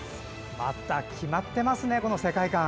また決まってますね世界観。